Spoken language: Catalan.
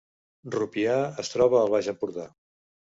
Rupià es troba al Baix Empordà